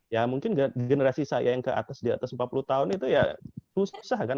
ya mungkin generasi saya yang ke atas di atas empat puluh tahun itu ya susah kan